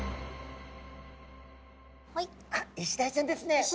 あイシダイちゃんですね。